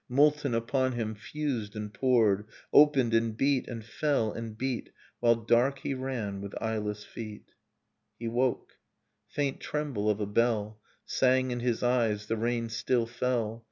Molten upon him fused and poured. Opened and beat and fell and beat While dark he ran with eyeless feet ... Nocturne of Remembered Spring He woke. Faint tremble of a bell Sang in his eyes. The rain still fell.